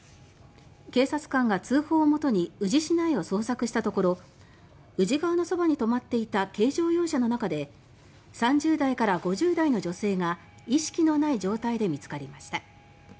警察官が、通報をもとに宇治市内を捜索したところ宇治川の側に止まっていた軽乗用車の中で３０代から５０代の女性が意識のない状態で見つかりました。